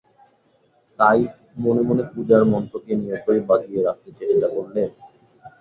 তাই মনে মনে পূজার মন্ত্রকে নিয়তই বাজিয়ে রাখতে চেষ্টা করলে।